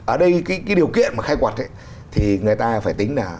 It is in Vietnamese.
ở đây cái điều kiện mà khai quật thì người ta phải tính là